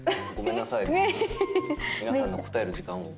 皆さんの答える時間を。